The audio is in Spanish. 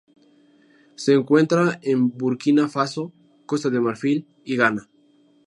Se encuentra en Burkina Faso, Costa de Marfil y Ghana.